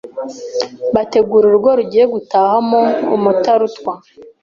bategura urugo rugiye gutahamo umutarutwa